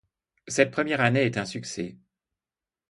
Cette première année est un succès.